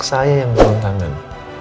saya yang berhentangan